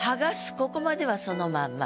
ここまではそのまんま。